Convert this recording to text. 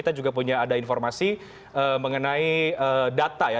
kita juga punya ada informasi mengenai data ya